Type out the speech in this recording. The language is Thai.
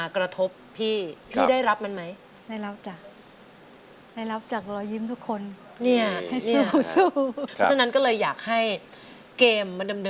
เกิดอะไรขึ้นจงยิ้มรับกับมัน